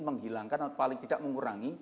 menghilangkan atau paling tidak mengurangi